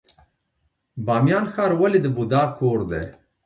بامیان ښار ولې د بودا کور دی؟